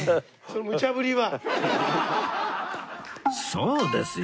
そうですよ！